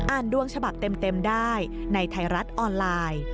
ดวงฉบับเต็มได้ในไทยรัฐออนไลน์